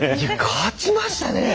勝ちましたね。